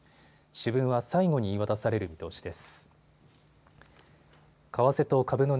主文は最後に言い渡される見通しです。